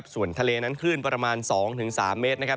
ส่วนทะเลนั้นขึ้นประมาณ๒๓เมตร